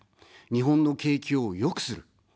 日本の景気を良くする。